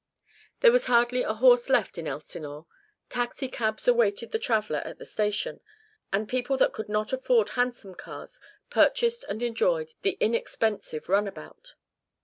There was hardly a horse left in Elsinore; taxi cabs awaited the traveller at the station, and people that could not afford handsome cars purchased and enjoyed the inexpensive runabout.